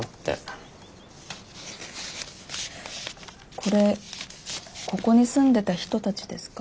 これここに住んでた人たちですか？